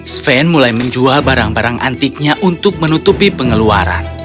sven mulai menjual barang barang antiknya untuk dia